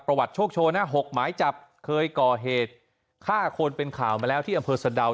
โชคโชว์นะ๖หมายจับเคยก่อเหตุฆ่าคนเป็นข่าวมาแล้วที่อำเภอสะดาว